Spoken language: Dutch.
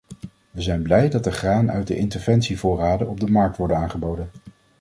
We zijn blij dat er graan uit de interventievoorraden op de markt wordt aangeboden.